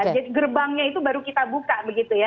jadi gerbangnya itu baru kita buka begitu ya